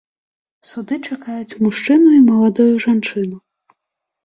Суды чакаюць мужчыну і маладую жанчыну.